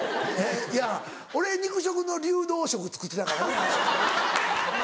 いや俺肉食の流動食作ってたから。